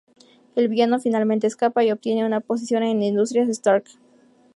El villano finalmente escapa, y obtiene una posición en Industrias Stark.